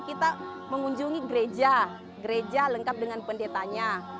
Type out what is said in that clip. kita mengunjungi gereja gereja lengkap dengan pendetanya